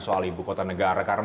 soal ibu kota negara karena